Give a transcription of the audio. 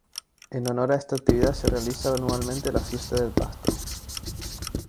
En honor a esta actividad se realiza anualmente la Fiesta del Pasto.